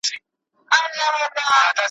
د عقاب په آشيانوکي `